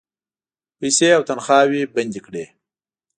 پیسې او تنخواوې بندي کړې.